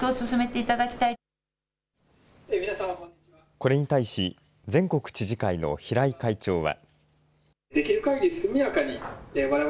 これに対し全国知事会の平井会長は。